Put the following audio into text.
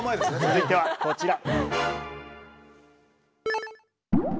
続いてはこちら。